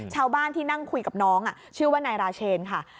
ชาวบ้านที่นั่งคุยกับน้องชื่อว่านายราเชนค่ะ